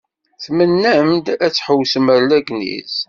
Tmennam-d ad tḥewwsem ar Legniz.